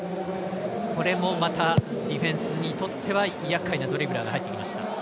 これもまたディフェンスにとってはやっかいなドリブラーが入ってきました。